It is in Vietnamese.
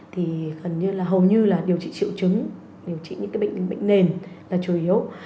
thì hầu như là điều trị triệu chứng điều trị những cái bệnh nền là chủ yếu